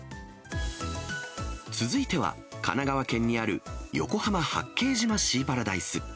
続いては、神奈川県にある横浜・八景島シーパラダイス。